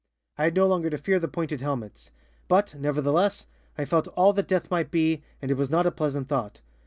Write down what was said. "I had no longer to fear the pointed helmets. But, nevertheless, I felt all that death might be, and it was not a pleasant thought.